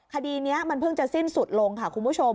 คดีนี้มันเพิ่งจะสิ้นสุดลงค่ะคุณผู้ชม